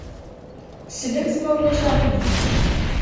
Slemt, ma ulac aɣilif.